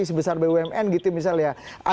sebesar bumn gitu misalnya